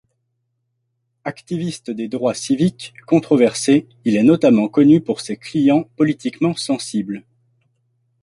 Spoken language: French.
Activiste des droits civiques, controversé, il est notamment connu pour ses clients politiquement sensibles.